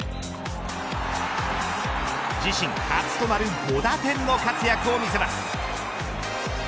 自身初となる５打点の活躍を見せます。